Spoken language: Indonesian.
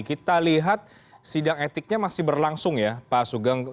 kita lihat sidang etiknya masih berlangsung ya pak sugeng